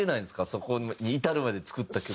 そこに至るまでに作った曲。